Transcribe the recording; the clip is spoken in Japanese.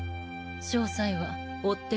詳細は追って通達。